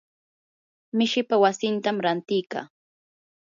mishipaa wasitam ranti kaa.